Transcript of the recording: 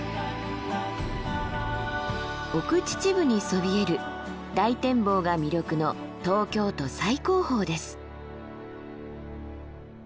奥秩父にそびえる大展望が魅力の東京都最高峰です。